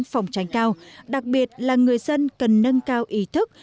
hợp nâng cao đặc biệt là người dân cần nâng cao ý thức